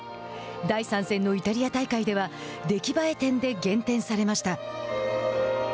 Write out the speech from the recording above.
第３戦のイタリア大会では出来栄え点で減点されました。